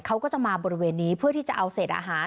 เขาก็จะมาบริเวณนี้เพื่อที่จะเอาเศษอาหาร